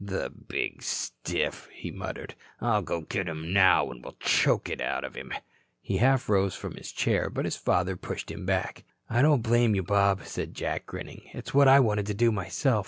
"The big stiff," he muttered. "I'll go get him now and we'll choke it out of him." He half rose from his chair, but his father pushed him back. "Don't blame you, Bob," said Jack, grinning. "It's what I wanted to do myself.